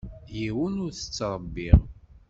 Yiwen ur t-ttṛebbiɣ.